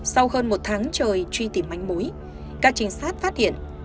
sau hơn một tháng trời truy tìm manh mối các trinh sát phát hiện